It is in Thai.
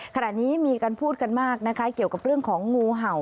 ขณะนี้มีการพูดกันมากนะคะเกี่ยวกับเรื่องของงูเห่า